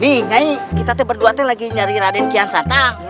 nih nyai kita berdua lagi nyari raden kian sata